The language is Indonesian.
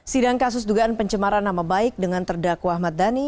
sidang kasus dugaan pencemaran nama baik dengan terdakwa ahmad dhani